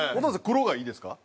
黒がいいですか？